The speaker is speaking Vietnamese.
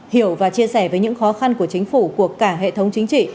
hiểu và chia sẻ với những khó khăn của chính phủ của cả hệ thống chính trị